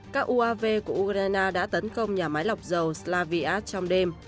các uav của ukraine đã tấn công nhà máy lọc dầu slaviat trong đêm